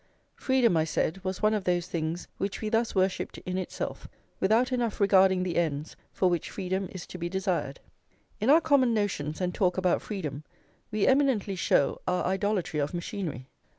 Freedom, I said, was one of those things which we thus worshipped in itself, without enough regarding the ends for which freedom is to be desired. In our common notions and talk about freedom, we eminently show our idolatry of machinery.